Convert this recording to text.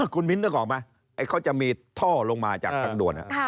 คุณมินต้องกลับมาไอ้เขาจะมีท่อลงมาจากทางด่วน